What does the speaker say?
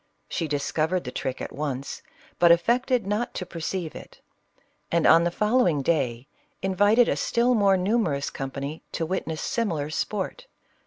She discovered the trick at once, but affected not to perceive it ; and on the fol lowing day invited a still more numerous company to witness similar sport.